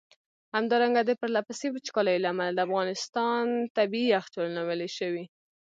همدارنګه د پرله پسي وچکالیو له امله د افغانستان ٪ طبیعي یخچالونه ویلي شوي.